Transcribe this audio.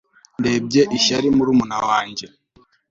Ndebye ishyari murumuna wanjye